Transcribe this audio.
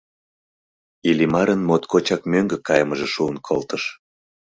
Иллимарын моткочак мӧҥгӧ кайымыже шуын колтыш.